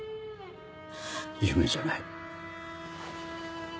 夢じゃない。